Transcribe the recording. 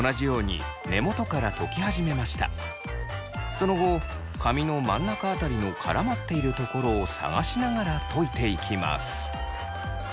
その後髪の真ん中辺りの絡まっているところを探しながらといていきます。